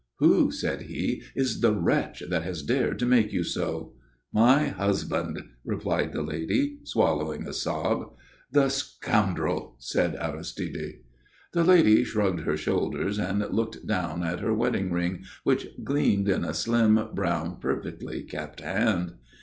"Who," said he, "is the wretch that has dared to make you so?" "My husband," replied the lady, swallowing a sob. "The scoundrel!" said Aristide. The lady shrugged her shoulders and looked down at her wedding ring, which gleamed on a slim, brown, perfectly kept hand.